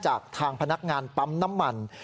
จากทางพนักงานปั๊มน้ำมัน